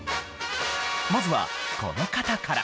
まずはこの方から。